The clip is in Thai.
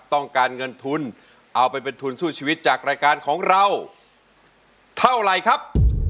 ต้องการเงินทุนเอาไปเป็นทุนสู้ชีวิตจากรายการของเราเท่าไหร่ครับ